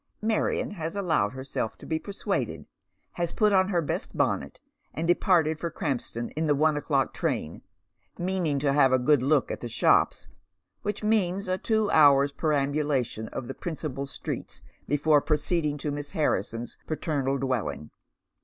Marion has allowed herself to be persuaded, has put on her beak Jenny's Visitor. 145 bonnet, and departed for Krampston in the otie o'clock train, meaning to have a good look at the shops, which means a two hours' perambulation of the principal streets, before proceeding to Miss Harrison's paternal dwelling.